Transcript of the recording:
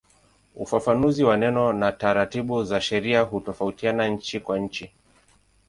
Ufafanuzi wa neno na taratibu za sheria hutofautiana nchi kwa nchi.